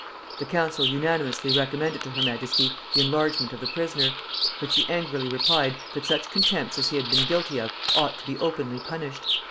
The council unanimously recommended to her majesty the enlargement of the prisoner; but she angrily replied, that such contempts as he had been guilty of ought to be openly punished.